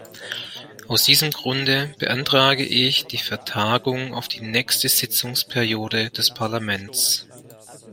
Aus diesem Grunde beantrage ich die Vertagung auf die nächste Sitzungsperiode des Parlaments.